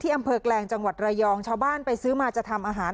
อำเภอแกลงจังหวัดระยองชาวบ้านไปซื้อมาจะทำอาหาร